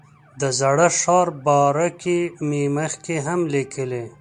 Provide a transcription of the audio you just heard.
د زاړه ښار باره کې مې مخکې هم لیکلي.